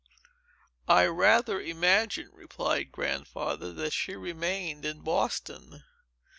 "I rather imagine," replied Grandfather, "that she remained in Boston.